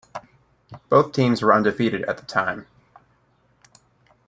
Both teams were undefeated at the time.